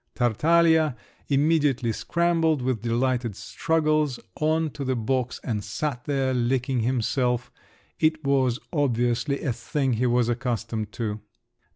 Tartaglia immediately scrambled, with delighted struggles, on to the box and sat there, licking himself; it was obviously a thing he was accustomed to.